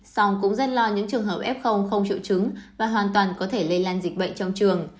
xong cũng rất lo những trường hợp f không triệu chứng và hoàn toàn có thể lây lan dịch bệnh trong trường